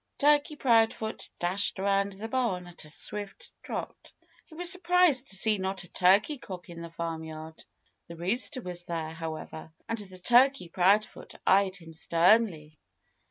Turkey Proudfoot dashed around the barn at a swift trot. He was surprised to see not a turkey cock in the farmyard. The rooster was there, however. And Turkey Proudfoot eyed him sternly.